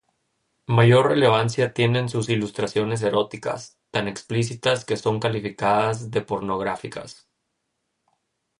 Mayor relevancia tienen sus ilustraciones eróticas, tan explícitas que son calificadas de pornográficas.